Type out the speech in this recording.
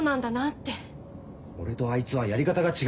俺とあいつはやり方が違うって。